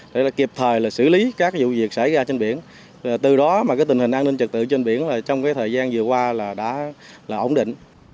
để kiệp thời xử lý các vụ việc xảy ra trên biển từ đó tình hình an ninh trật tự trên biển trong thời gian vừa qua đã ổn định